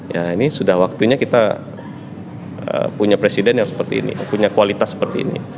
ya ini sudah waktunya kita punya presiden yang seperti ini punya kualitas seperti ini